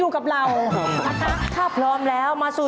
กบให้ขาดตัวเลย๑๓๐๐บาท